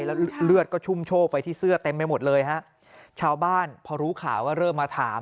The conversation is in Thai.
แล้วเลือดก็ชุ่มโชคไปที่เสื้อเต็มไปหมดเลยฮะชาวบ้านพอรู้ข่าวก็เริ่มมาถาม